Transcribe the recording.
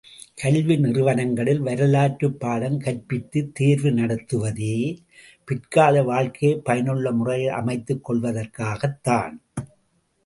கல்வி நிறுவனங்களில் வரலாற்றுப் பாடம் கற்பித்துத் தேர்வு நடத்துவதே, பிற்கால வாழ்க்கையைப் பயனுள்ள முறையில் அமைத்துக் கொள்வதற்காகத்தான்.